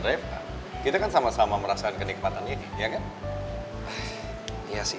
reva kita kan sama sama merasa kenikmatan ini ya kan iya sih